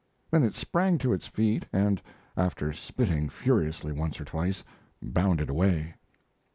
Then it sprang to its feet, and, after spitting furiously once or twice, bounded away.